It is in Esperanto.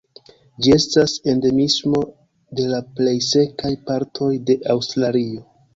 Ĝi estas endemismo de la plej sekaj partoj de Aŭstralio.